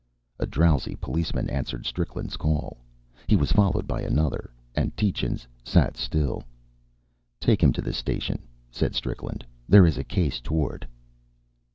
A drowsy policeman answered Strickland's call. He was followed by another, and Tietjens sat still. "Take him to the station," said Strickland. "There is a case toward."